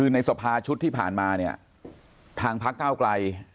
ในสภาชุดที่ผ่านมาเนี่ยทางพักเก้าไกล